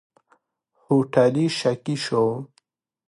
هوټلي شکي شو.